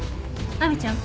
亜美ちゃん